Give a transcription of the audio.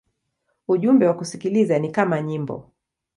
Ujumbe wa kusikiliza ni kama nyimbo.